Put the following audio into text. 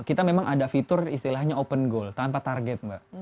kita memang ada fitur istilahnya open goal tanpa target mbak